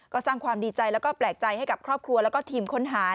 ก็สร้างความดีใจแล้วก็แปลกใจให้กับครอบครัวแล้วก็ทีมค้นหา